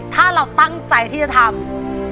ถ้าเราตั้งใจที่จะทำ